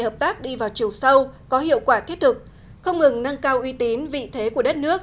hợp tác đi vào chiều sâu có hiệu quả thiết thực không ngừng nâng cao uy tín vị thế của đất nước